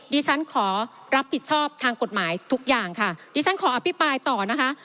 ดิฉันขอรับผิดชอบทางกฎหมายทุกอย่างค่ะดิฉันขออภิปรายต่อนะคะ